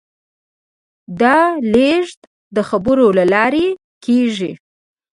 دا لېږد د خبرو له لارې کېږي.